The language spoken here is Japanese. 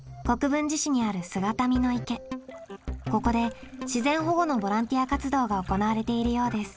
ここで自然保護のボランティア活動が行われているようです。